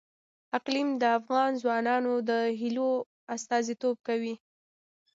اقلیم د افغان ځوانانو د هیلو استازیتوب کوي.